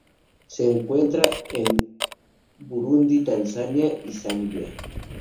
Se encuentra en Burundi Tanzania y Zambia.